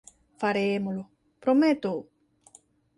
Farémolo. Prométoo.